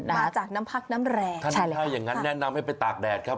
มาจากน้ำพักน้ำแรงถ้าอย่างงั้นแนะนำให้ไปตากแดดครับ